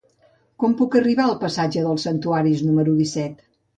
Com puc arribar al passatge dels Santuaris número disset?